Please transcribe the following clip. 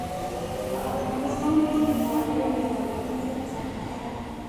په افغانستان کې غالۍ یوه دودیزه سرمایه ده.